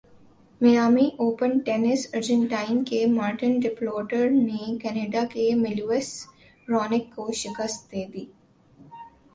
Miami Open tennis Argentine کے Martin Del Potro نے Canada کے ملیوس رانک کو شکست دے دی